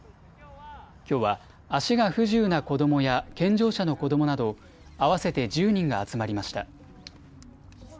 きょうは足が不自由な子どもや健常者の子どもなど合わせて１０人が集まりました。